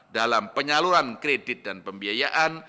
dalam penyaluran kredit dan pembiayaan